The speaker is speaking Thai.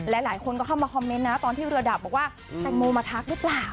หลายคนก็เข้ามาคอมเมนต์นะตอนที่เรือดับบอกว่าแตงโมมาทักหรือเปล่า